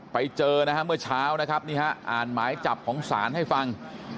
ไปเจอนะฮะเมื่อเช้านะครับนี่ฮะอ่านหมายจับของศาลให้ฟัง